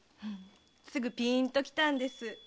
すぐピーンときたんです。